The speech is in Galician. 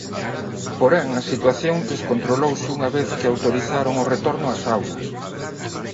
Porén, a situación descontrolouse unha vez que autorizaron o retorno ás aulas.